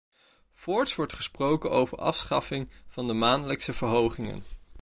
Voorts wordt gesproken over afschaffing van de maandelijkse verhogingen.